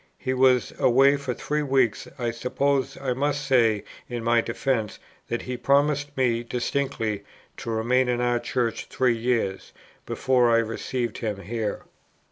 He was away for three weeks. I suppose I must say in my defence, that he promised me distinctly to remain in our Church three years, before I received him here."